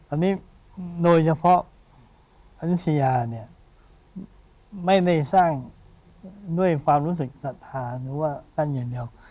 อันนี้โดยเฉพาะอายุทยาเนี่ยไม่ได้สร้างด้วยความรู้สึกศรัทธาหรือว่าสั้นอย่างเดียว